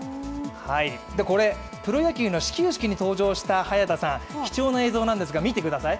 これ、プロ野球の始球式に出場した早田さん、貴重な映像なんですが見てください。